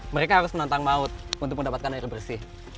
mereka harus menantang maut untuk mendapatkan air bersih